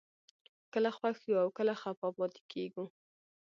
کله خوښ یو او کله خفه پاتې کېږو